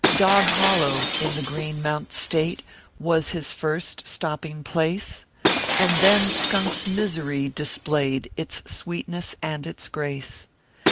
Dog Hollow, in the Green Mount State, "Was his first stopping place, And then Skunk s Misery displayed Its sweetness and its grace.